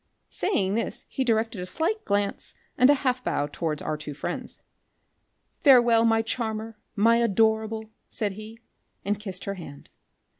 Saying this be directed a slight glance and a half bow towards our two friends. "Farewel, my charmer, my adorable!" said he, and kissed her hand.